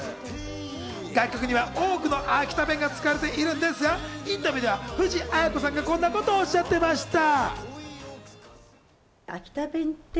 楽曲には多くの秋田弁が使われているんですが、インタビューでは藤あや子さんはこんなことをおっしゃっていました。